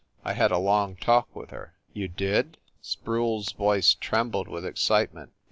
I had a long talk with her." "You did ?" Sproule s voice trembled with excite ment.